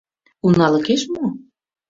Уналыкеш мо?